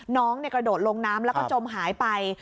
กระโดดลงน้ำแล้วก็จมหายไป